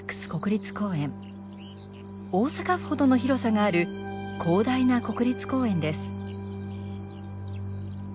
大阪府ほどの広さがある広大な国立公園です。